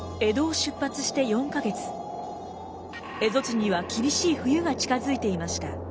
蝦夷地には厳しい冬が近づいていました。